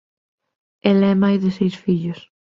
Ela é nai de seis fillos.